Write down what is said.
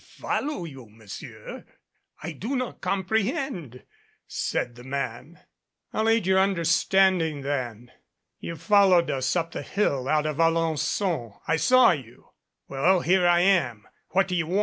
"Follow you, Monsieur? I do not comprehend," said the man. "I'll aid your understanding, then. You followed us up the hill out of Alen9on. I saw you. Well, here I am. What do you want?"